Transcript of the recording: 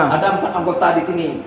ada empat anggota disini